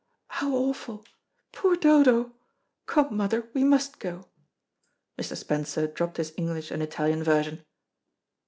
"How awful! Poor Dodo! Come, mother, we must go." Mr. Spencer dropped his English and Italian version.